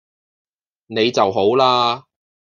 你就好啦